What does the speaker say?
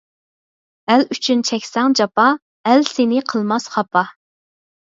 ئەل ئۈچۈن چەكسەڭ جاپا، ئەل سېنى قىلماس خاپا.